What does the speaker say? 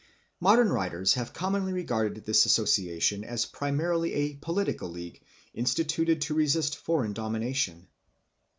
Modern writers have commonly regarded this association as primarily a political league instituted to resist foreign domination.